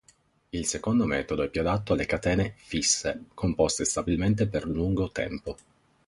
Il secondo metodo è più adatto alle catene "fisse" composte stabilmente per lungo tempo.